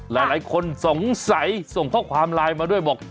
หลายคนสงสัยส่งข้อความไลน์มาด้วยบอก